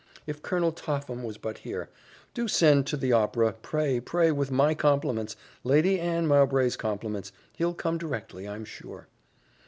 If Colonel Topham was but here! Do send to the Opera, pray, pray, with my compliments Lady Anne Mowbray's compliments he'll come directly, I'm sure."